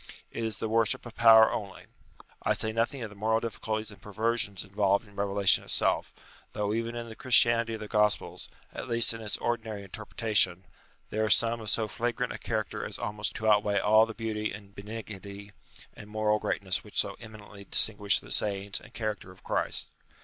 It is the worship of power only. I say nothing of the moral difficulties and perver sions involved in revelation itself ; though even in the Christianity of the Gospels, at least in its ordinary interpretation, there are some of so flagrant a character as almost to outweigh all the beauty and benignity and moral greatness which so eminently distinguish the sayings and character of Christ.